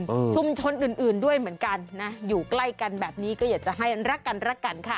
ชุมชนอื่นด้วยเหมือนกันนะอยู่ใกล้กันแบบนี้ก็อย่างนั้นรักกันค่ะ